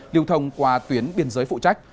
liều thông qua tuyến biên giới phụ trách